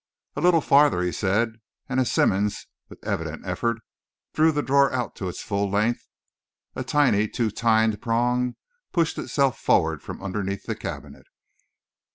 "A little farther," he said; and as Simmonds, with evident effort, drew the drawer out to its full length, a tiny, two tined prong pushed itself forward from underneath the cabinet.